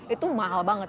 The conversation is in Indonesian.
itu mahal banget